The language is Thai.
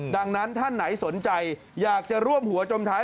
ดังนั้นท่านไหนสนใจอยากจะร่วมหัวจมท้าย